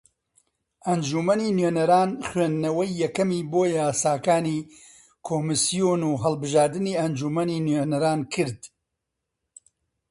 ئەنجومەنی نوێنەران خوێندنەوەی یەکەمی بۆ یاساکانی کۆمیسیۆن و ھەڵبژاردنی ئەنجومەنی نوێنەران کرد